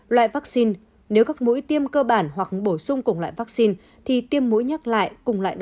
loại vaccine nếu các mũi tiêm cơ bản hoặc bổ sung cùng loại vaccine thì tiêm mũi nhắc lại cùng loại đó